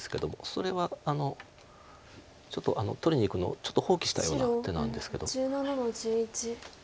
それは取りにいくのをちょっと放棄したような手なんですけど。